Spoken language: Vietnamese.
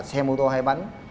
xe mô tô hay bánh